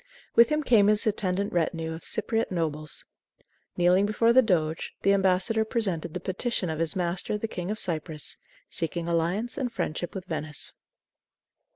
With him came his attendant retinue of Cypriote nobles. Kneeling before the doge, the ambassador presented the petition of his master, the King of Cyprus, seeking alliance and friendship with Venice.